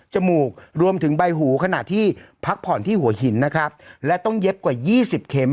มูกรวมถึงใบหูขณะที่พักผ่อนที่หัวหินนะครับและต้องเย็บกว่ายี่สิบเข็ม